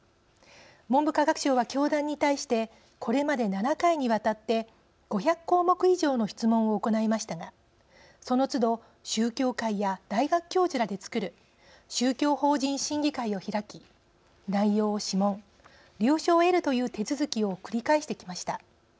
文部科学省は教団に対してこれまで７回にわたって５００項目以上の質問を行いましたがそのつど宗教界や大学教授らでつくる宗教法人審議会を開き内容を諮問、了承を得るという手続きを繰り返してきました。